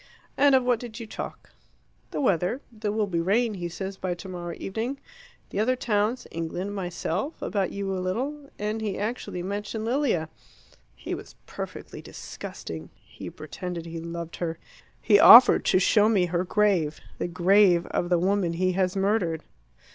"And of what did you talk?" "The weather there will be rain, he says, by tomorrow evening the other towns, England, myself, about you a little, and he actually mentioned Lilia. He was perfectly disgusting; he pretended he loved her; he offered to show me her grave the grave of the woman he has murdered!"